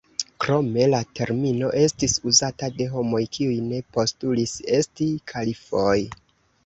Krome, la termino estis uzata de homoj kiuj ne postulis esti kalifoj.